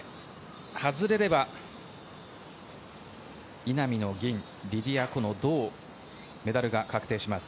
外れれば、稲見の銀、リディア・コの銅、メダルが確定します。